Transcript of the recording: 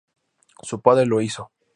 Su padre lo hizo.